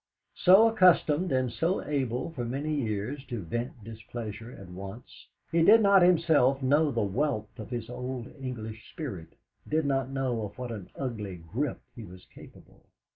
So accustomed and so able for many years to vent displeasure at once, he did not himself know the wealth of his old English spirit, did not know of what an ugly grip he was capable.